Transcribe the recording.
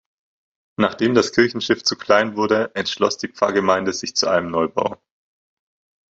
Nachdem das Kirchenschiff zu klein wurde, entschloss die Pfarrgemeinde sich zu einem Neubau.